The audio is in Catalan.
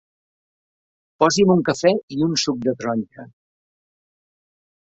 Posi'm un cafè i un suc de taronja.